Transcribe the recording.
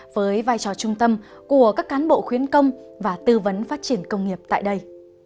với vai trò trung tâm của các cán bộ khuyến công và tư vấn phát triển công nghiệp tại đây